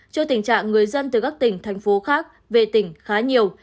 trước tình trạng người dân từ các tỉnh thành phố khác về tỉnh khá nhiều